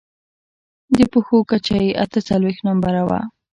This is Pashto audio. د پښو کچه يې اته څلوېښت نمبره وه.